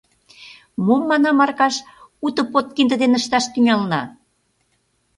Мом, манам, Аркаш, уто подкинде дене ышташ тӱҥалына?